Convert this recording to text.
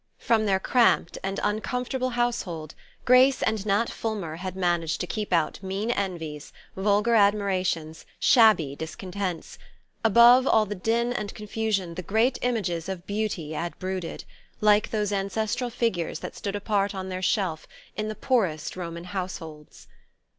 From their cramped and uncomfortable household Grace and Nat Fulmer had managed to keep out mean envies, vulgar admirations, shabby discontents; above all the din and confusion the great images of beauty had brooded, like those ancestral figures that stood apart on their shelf in the poorest Roman households.